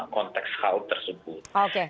konteks hal tersebut